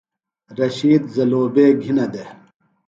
رشید زلوبے گِھینہ دےۡ۔